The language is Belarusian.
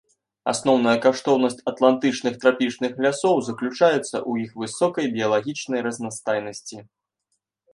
Асноўная каштоўнасць атлантычных трапічных лясоў заключаецца ў іх высокай біялагічнай разнастайнасці.